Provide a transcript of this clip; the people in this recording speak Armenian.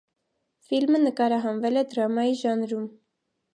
Ֆիլմը նկարահանվել է դրամայի ժանրում։